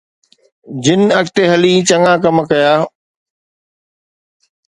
جن اڳتي هلي چڱا ڪم ڪيا.